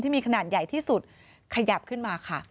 มีขนาดใหญ่ที่สุดขยับขึ้นมาค่ะ